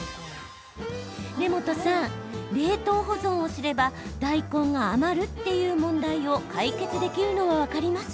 根本さん、冷凍保存をすれば大根が余るっていう問題を解決できるのは分かります。